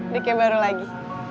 dike baru lagi